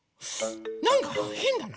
なんかへんだな？